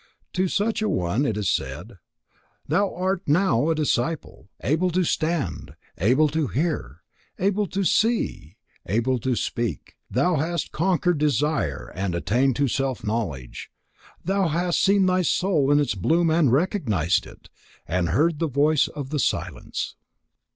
To such a one it is said: "Thou art now a disciple, able to stand, able to hear, able to see, able to speak, thou hast conquered desire and attained to self knowledge, thou hast seen thy soul in its bloom and recognized it, and heard the voice of the silence."